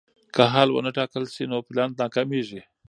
که حل ونه ټاکل شي نو پلان ناکامېږي.